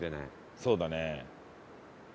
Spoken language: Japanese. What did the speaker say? そうだね。